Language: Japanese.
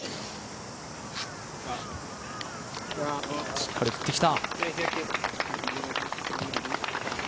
しっかり振ってきた。